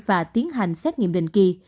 và tiến hành xét nghiệm đình kỳ